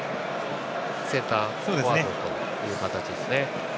センターフォワードという形です。